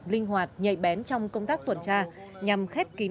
linh hoạt nhạy bén trong công tác tuần tra nhằm khép kín